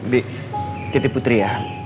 bi kita putri ya